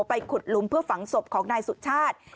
ไปขุดหลุมเพื่อฝังศพของนายสุชาติ